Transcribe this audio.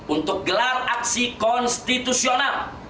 untuk gelar aksi konstitusional